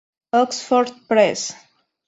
Oxford Press.